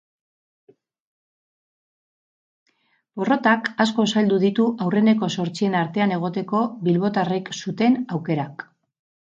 Porrotak asko zaildu ditu aurreneko zortzien artean egoteko bilbotarrek zuten aukerak.